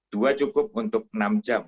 dua cukup untuk enam jam